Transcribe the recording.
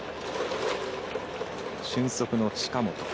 俊足の近本。